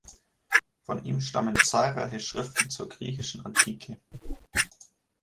Von ihm stammen zahlreiche Schriften zur griechischen Antike.